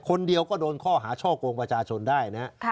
คนเดียวก็โดนข้อหาช่อกงประชาชนได้นะครับ